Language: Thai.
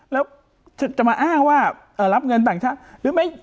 แล้วจะมาอ้างว่ารับเงินต่างชาติหรือไม่